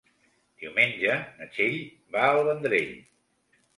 Diumenge na Txell va al Vendrell.